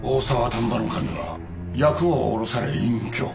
丹波守は役を降ろされ隠居。